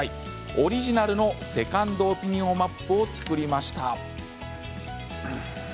オリジナルのセカンドオピニオンマップを作りました。